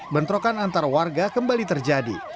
bentrokan antar warga kembali terjadi